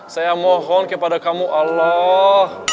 saya mohon kepada kamu allah